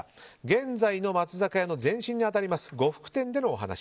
現在の松坂屋の前身に当たります呉服店での話。